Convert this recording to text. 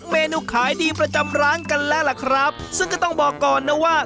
เมนูขายดีประจำร้านกันแล้วล่ะครับซึ่งก็ต้องบอกก่อนนะว่า